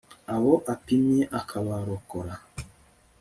abo apimye akabarokora